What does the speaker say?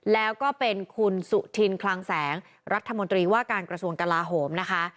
แล้วก็เป็นคุณสุธินคลังแสงรัฐมนตรีว่าการกระทรวงกลาโหมนะคะ